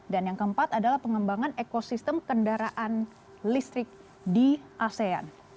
dan yang keempat adalah pengembangan ekosistem kendaraan listrik di asean